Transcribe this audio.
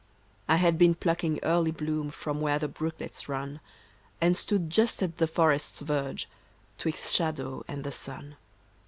I had been plucking early bloom From where the brooklets run, And stood just at the forest's verge, 'Twixt shadow and the sun.